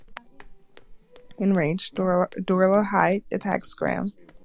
Enraged, Dolarhyde attacks Graham.